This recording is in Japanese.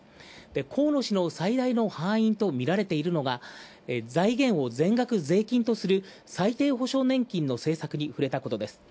河野氏の最大の敗因とみられているのが、財源を全額税金とする最低保障年金の政策に触れたことです。